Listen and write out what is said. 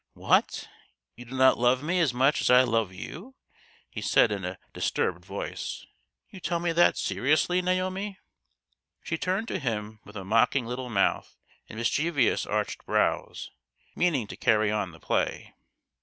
"What! you do not love me as much as I love you?" he said in a disturbed voice. " You tell me that seriously, Naomi ?" She turned to him with a mocking little mouth and mischievous arched brows, meaning to carry on the play.